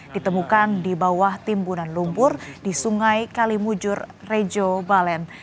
ditemukan di bawah timbunan lumpur di sungai kalimujur rejo balen